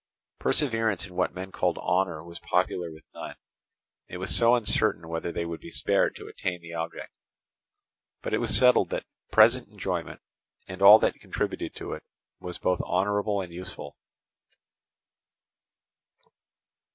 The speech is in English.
Perseverance in what men called honour was popular with none, it was so uncertain whether they would be spared to attain the object; but it was settled that present enjoyment, and all that contributed to it, was both honourable and useful.